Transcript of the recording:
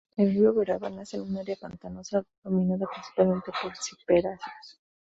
El río Uberaba nace en un área pantanosa, dominada principalmente por ciperáceas.